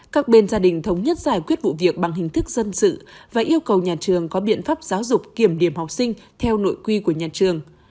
các bên gia đình thống nhất giải quyết vụ việc bằng hình thức dân sự và yêu cầu nhà trường có biện pháp giáo dục kiểm điểm học sinh theo nội quy của nhà trường